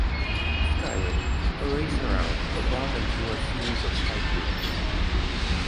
Skyway: A race around, above and through a series of skyscrapers.